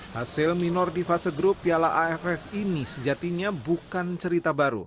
hasil minor di fase grup piala aff ini sejatinya bukan cerita baru